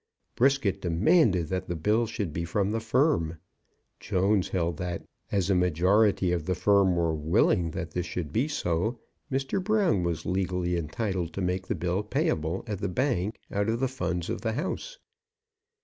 Brisket demanded that the bill should be from the firm. Jones held that as a majority of the firm were willing that this should be so, Mr. Brown was legally entitled to make the bill payable at the bank out of the funds of the house.